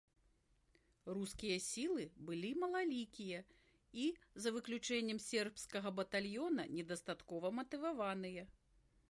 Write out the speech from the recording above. Рускія сілы былі малалікія і, за выключэннем сербскага батальёна, недастаткова матываваныя.